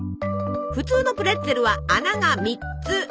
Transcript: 普通のプレッツェルは穴が３つ。